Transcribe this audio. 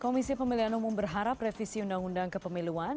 komisi pemilihan umum berharap revisi undang undang kepemiluan